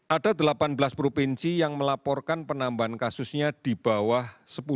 ada delapan belas provinsi yang melaporkan penambahan kasusnya di bawah sepuluh